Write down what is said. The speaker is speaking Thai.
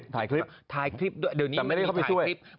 ถ่ายคลิปถ่ายคลิปแต่ไม่ได้เข้าไปช่วย